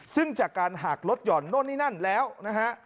ซึ่งจากการหักลดหย่อนโน่นนี่นั่นแล้วนะฮะ